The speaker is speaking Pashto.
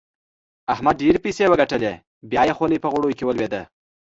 احمد ډېرې پيسې وګټلې؛ بيا يې خولۍ په غوړو کې ولوېده.